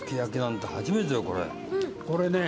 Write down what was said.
これね。